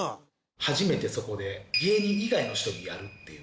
初めてそこで芸人以外の人とやるっていう。